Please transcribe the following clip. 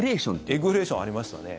エッグフレーションありましたね。